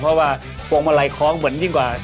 เพราะว่าพวงมาลัยคล้องเหมือนยิ่งกว่า